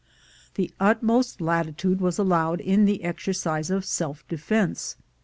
The utmost latitude was allowed in the ex ercise of self defence.